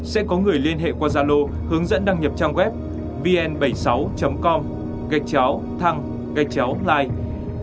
sẽ có người liên hệ qua gia lô hướng dẫn đăng nhập trang web vn bảy mươi sáu com gạch cháo thăng gạch cháo like